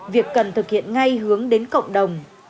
việc cần thực hiện ngay hướng đến cộng đồng